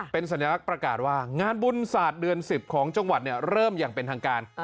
เป็นสัญลักษณ์ประกาศว่างานบุญศาสตร์เดือน๑๐ของจังหวัดเริ่มอย่างเป็นทางการ